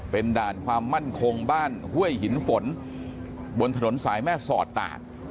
เป็นด่านความมั่นคงบ้านห้วยหินฝนบนถนนสายแม่สอดตาก